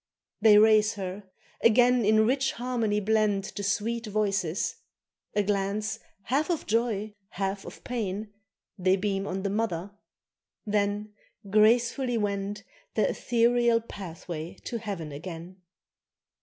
They raise her; again in rich harmony blend The sweet voices; a glance half of joy, half of pain They beam on the mother, then gracefully wend Their ethereal pathway to heaven again.